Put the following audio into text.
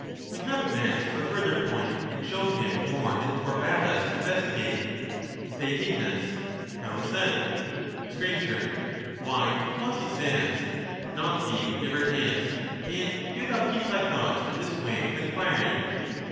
We have advanced to a further point, and shown him more than he forbad iis to investigate. Theaet. How is that? Str. Why, because he says —* Not being never is ^ and do thoa keep thy thoughts from this way of enquiry.'